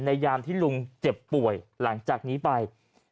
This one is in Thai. ยามที่ลุงเจ็บป่วยหลังจากนี้ไป